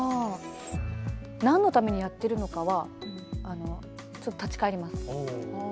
何のためにやっているのかはちょっと立ち返ります。